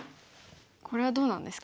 これはどうなんですか。